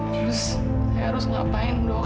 terus saya harus ngapain dok